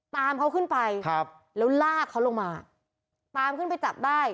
ตามเขาขึ้นไปครับแล้วลากเขาลงมาตามขึ้นไปจับได้